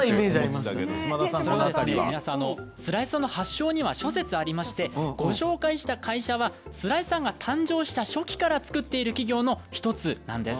スライサーの発祥には諸説ありましてご紹介した会社はスライサーが誕生した初期から作っている企業の１つなんです。